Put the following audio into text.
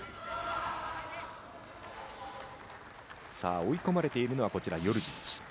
追い込まれているのは、こちら、ヨルジッチ。